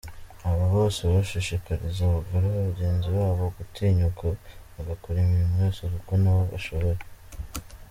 Abo bose bashishikariza abagore bagenzi babo gutinyuka bagakora imirimo yose kuko na bo bashoboye.